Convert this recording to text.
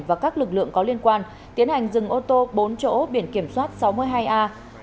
và các lực lượng có liên quan tiến hành dừng ô tô bốn chỗ biển kiểm soát sáu mươi hai a một mươi năm nghìn chín trăm năm mươi hai